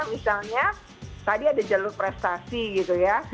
misalnya tadi ada jalur prestasi gitu ya